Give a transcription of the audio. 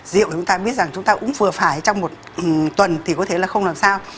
rượu thì chúng ta biết rằng chúng ta cũng vừa phải trong một tuần thì có thể là không làm sao